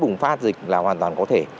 bùng phát dịch là hoàn toàn có thể